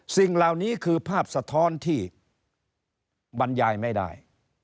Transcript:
สิ่งเหล่านี้คือภาพสะท้อนที่บรรยายไม่ได้